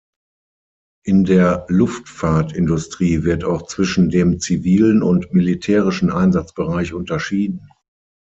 In der Luftfahrtindustrie wird auch zwischen dem zivilen und militärischen Einsatzbereich unterschieden.